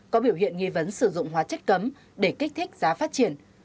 có biểu hiện nghi vấn sử dụng hóa chất cấm để kích thích giá phát triển